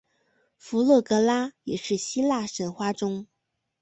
佛勒格拉也是希腊神话中。